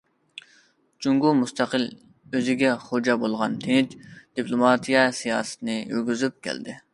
جۇڭگو مۇستەقىل، ئۆزىگە خوجا بولغان تىنچ دىپلوماتىيە سىياسىتىنى يۈرگۈزۈپ كەلدى.